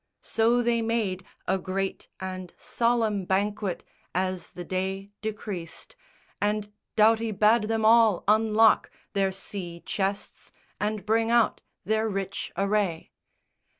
So they made A great and solemn banquet as the day Decreased; and Doughty bade them all unlock Their sea chests and bring out their rich array.